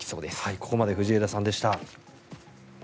ここまで藤枝さんでした。